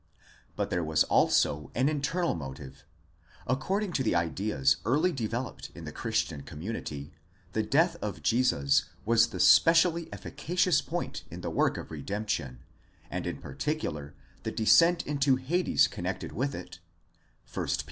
But there was also an internal motive: according to the ideas early developed in the Christian community, the death of Jesus was the specially efficacious point in the work of redemption, and in particular the descent into Hades connected with it (1 Pet.